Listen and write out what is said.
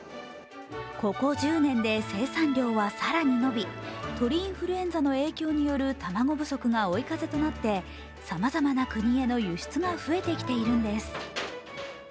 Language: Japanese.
ここ１０年で生産量は更に伸び、鳥インフルエンザの影響による卵不足が追い風となってさまざまな国への輸出が増えてきているんです。